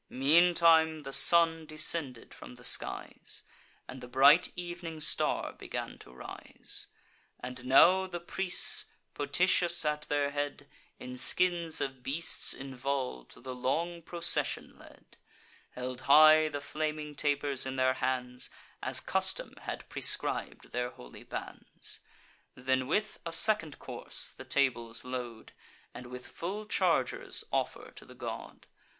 Meantime the sun descended from the skies, And the bright evening star began to rise. And now the priests, Potitius at their head, In skins of beasts involv'd, the long procession led; Held high the flaming tapers in their hands, As custom had prescrib'd their holy bands; Then with a second course the tables load, And with full chargers offer to the god.